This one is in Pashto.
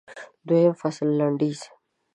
د دویم فصل لنډیز